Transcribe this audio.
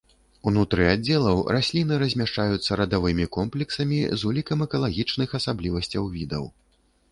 Унутры аддзелаў расліны размяшчаюцца радавымі комплексамі з улікам экалагічных асаблівасцяў відаў.